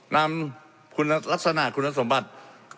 นำคุณลักษณะคุณสมบัติ